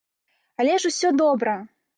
Але ж усё добра!